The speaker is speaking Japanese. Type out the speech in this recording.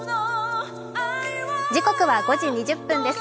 時刻は５時２０分です。